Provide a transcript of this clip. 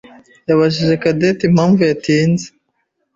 yabajije Cadette impamvu yatinze.